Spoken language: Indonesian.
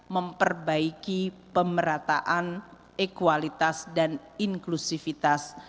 memperbaiki pemerataan ekualitas dan inklusivitas